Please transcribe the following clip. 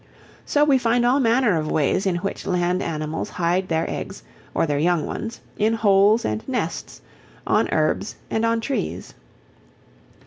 So we find all manner of ways in which land animals hide their eggs or their young ones in holes and nests, on herbs and on trees.